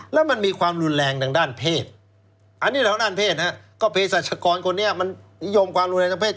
แล้วมันมีความรุนแรงทางด้านเพศอันนี้เราด้านเพศนะฮะก็เพศรัชกรคนนี้มันนิยมความรุนแรงทางเพศ